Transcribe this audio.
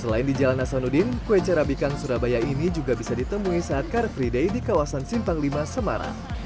selain di jalan hasanuddin kue carabikang surabaya ini juga bisa ditemui saat car free day di kawasan simpang lima semarang